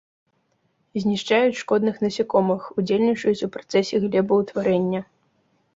Знішчаюць шкодных насякомых, удзельнічаюць у працэсе глебаўтварэння.